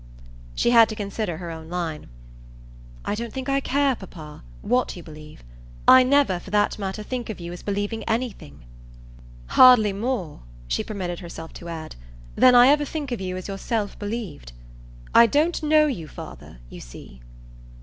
She had to consider her own line. "I don't think I care, papa, what you believe. I never, for that matter, think of you as believing anything; hardly more," she permitted herself to add, "than I ever think of you as yourself believed. I don't know you, father, you see."